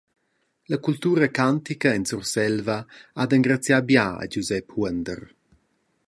La cultura cantica en Surselva ha dad engraziar bia a Giusep Huonder.